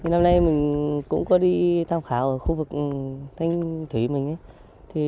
năm nay mình cũng có đi tham khảo ở khu vực thanh thủy mình ấy